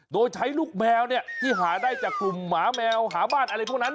โดยใช้ลูกแมวที่หาได้จากกลุ่มหมาแมวหาบ้านอะไรพวกนั้น